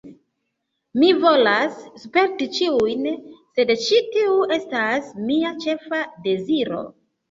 Mi volas sperti ĉiujn, sed ĉi tiu estas mia ĉefa deziro